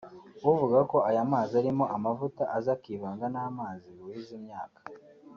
uvuga ko aya mazi arimo amavuta aza akivanga n’amazi buhiza imyaka